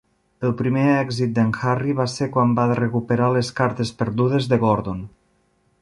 El primer èxit d'en Harry va ser quan va recuperar les cartes perdudes de Gordon.